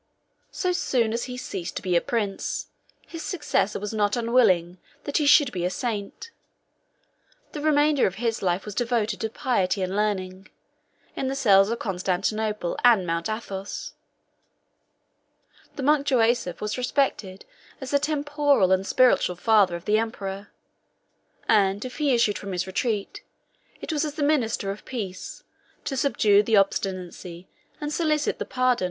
36 So soon as he ceased to be a prince, his successor was not unwilling that he should be a saint: the remainder of his life was devoted to piety and learning; in the cells of Constantinople and Mount Athos, the monk Joasaph was respected as the temporal and spiritual father of the emperor; and if he issued from his retreat, it was as the minister of peace, to subdue the obstinacy, and solicit the pardon, of his rebellious son.